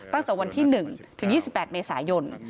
ตั้งแต่วันที่๑ถึง๒๘เมษายน